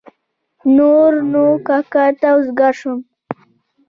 نور نو کاکا ته وزګار شوم.